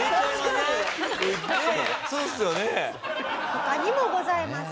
他にもございます。